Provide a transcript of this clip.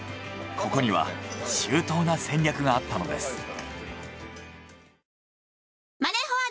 ここには周到な戦略があったのです。